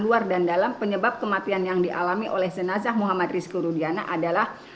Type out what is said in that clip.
luar dan dalam penyebab kematian yang dialami oleh jenazah muhammad rizkludiana adalah